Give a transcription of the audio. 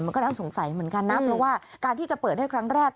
ก็ต้องสงสัยเหมือนกันนะเพราะว่าการที่จะเปิดให้ครั้งแรก